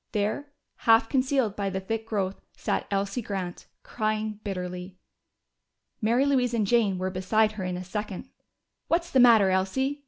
There, half concealed by the thick growth, sat Elsie Grant, crying bitterly. Mary Louise and Jane were beside her in a second. "What's the matter, Elsie?"